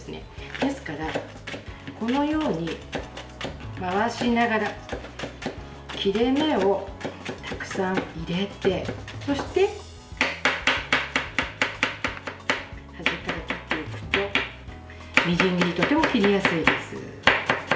ですから、回しながら切れ目をたくさん入れて端から切っていくとみじん切りとても切りやすいです。